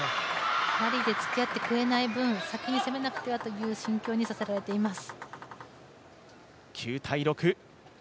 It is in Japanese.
ラリーにつきあってくれない分、先に攻めなければという心境にさせられています。